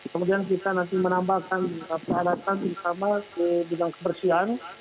kemudian kita nanti menambahkan alat alat yang sama di bidang kebersihan